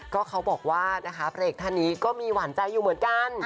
ก็เขาบอกว่านะคะพระเอกท่านนี้ก็มีหวานใจอยู่เหมือนกัน